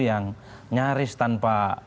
yang nyaris tanpa